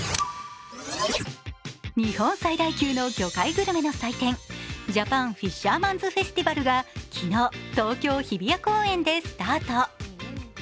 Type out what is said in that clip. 日本最大級の魚介グルメの祭典、ジャパン・フィッシャーマンズ・フェスティバルが昨日、東京・日比谷公園でスタート。